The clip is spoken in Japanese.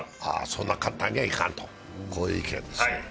そんな簡単にはいかんという、こういう意見ですね。